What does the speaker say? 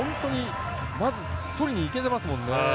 まずとりにいけてますもんね。